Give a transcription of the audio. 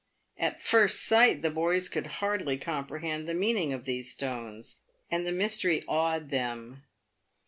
At first sight the boys could hardly comprehend the meaning of these stones, and the mystery awed them.